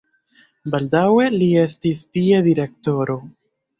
Baldaŭe li estis tie direktoro.